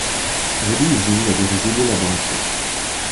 Rudy Ising a dirigé l'élaboration.